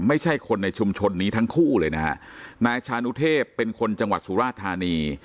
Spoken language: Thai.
ไม่ใช่คนในชุมชนนี้ทั้งคู่เลยนะฮะนายชานุเทพเป็นคนจังหวัดสุราธานี